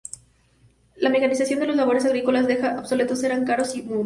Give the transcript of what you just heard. La mecanización de las labores agrícolas dejan obsoletos eras, carros y mulos.